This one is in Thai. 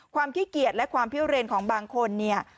ความขี้เกียจและความเพี้ยวเรนของบางคน